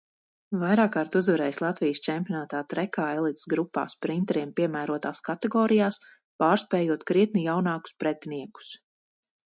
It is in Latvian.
Vairākkārt uzvarējis Latvijas čempionātā trekā elites grupā sprinteriem piemērotās kategorijās, pārspējot krietni jaunākus pretiniekus.